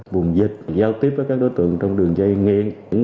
vùng dịch giao tiếp với các đối tượng trong đường dây ngang